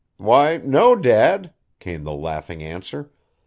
"Why no, dad," came the laughing answer.